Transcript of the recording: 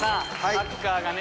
サッカーがね